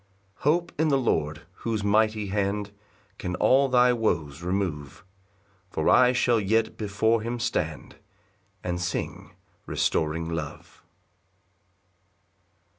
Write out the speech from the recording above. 6 Hope in the Lord, whose mighty hand Can all thy woes remove; For I shall yet before him stand, And sing restoring love.